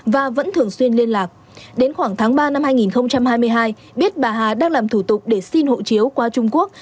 và vẫn thường xuyên liên lạc đến khoảng tháng ba năm hai nghìn hai mươi hai biết bà hà đang làm thủ tục để xin hộ chiếu qua trung quốc